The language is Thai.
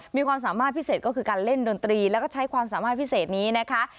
มีความสามารถพิเศษก็คือการเล่นดนตรีแล้วก็ใช้ความสามารถพิเศษนี้นะคะ